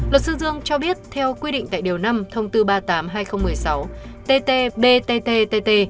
luật sư dương cho biết theo quy định tại điều năm thông tư ba mươi tám hai nghìn một mươi sáu tt btttt